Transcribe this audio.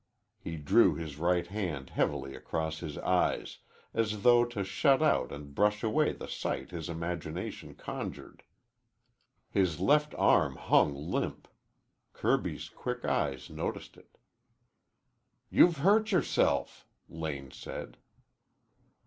He drew his right hand heavily across his eyes, as though to shut out and brush away the sight his imagination conjured. His left arm hung limp. Kirby's quick eyes noticed it. "You've hurt yourself," Lane said.